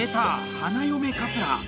花嫁かつら！